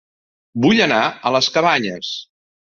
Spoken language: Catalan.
Vull anar a Les Cabanyes